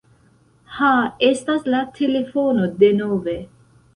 Ha estas la telefono denove.